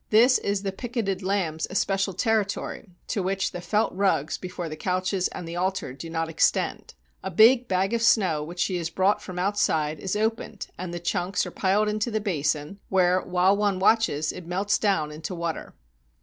This is the picketed lambs' especial territory, to which the felt rugs before the couches and the altar do not extend. A big bag of snow which she has brought from outside is opened and the chunks are piled into the basin, where, while one watches, it melts down into water.